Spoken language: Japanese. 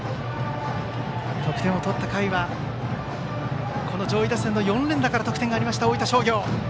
得点を取った回はこの上位打線の４連打から得点があった大分商業。